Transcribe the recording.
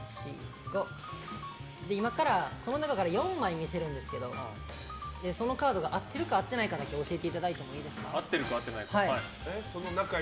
今からこの中から４枚見せるんですけどそのカードが合ってるか合ってないかだけ教えていただいてもいいですか。